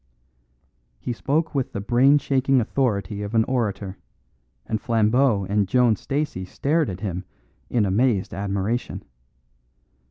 He spoke with the brain shaking authority of an orator, and Flambeau and Joan Stacey stared at him in amazed admiration.